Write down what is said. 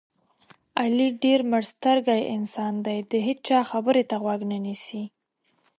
علي ډېر مړسترګی انسان دی دې هېچا خبرې ته غوږ نه نیسي.